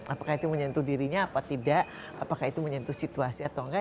apakah itu menyentuh dirinya apa tidak apakah itu menyentuh situasi atau enggak